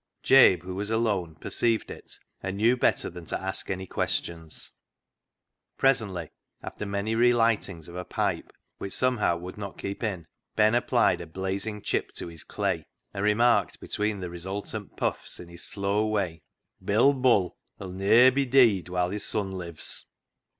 Jabe, who was alone, perceived it, and knew better than to ask any questions. Presently, after many relightings of a pipe, COALS OF FIRE 131 which somehow would not keep in, Ben applied a blazing chip to his clay, and remarked, between the resultant puffs in his slow way —"* Bill Bull ' 'ull ne'er be deead while his son lives."